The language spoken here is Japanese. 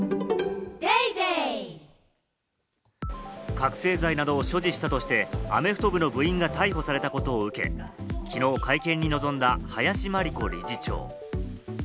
覚醒剤などを所持したとして、アメフト部の部員が逮捕されたことを受け、きのう会見に臨んだ林真理子理事長。